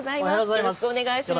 よろしくお願いします。